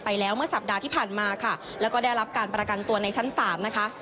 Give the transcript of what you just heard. เมื่อสัปดาห์ที่ผ่านมาค่ะแล้วก็ได้รับการประกันตัวในชั้นศาลนะคะ